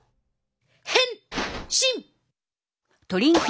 変身！